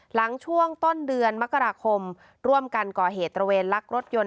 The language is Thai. หลังช่วงต้นเดือนมกราคมร่วมกันก่อเหตุตระเวนลักรถยนต์